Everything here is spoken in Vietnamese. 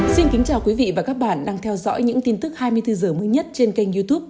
xin kính chào quý vị và các bạn đang theo dõi những tin tức hai mươi bốn h mới nhất trên kênh youtube